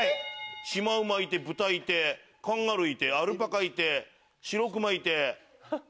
シマウマいてブタいてカンガルーいてアルパカいてシロクマいて。